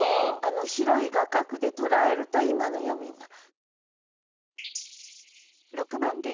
広い画角で捉えると今の読みになる。